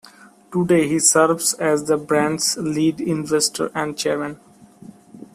Today he serves as the brand's Lead Investor and Chairman.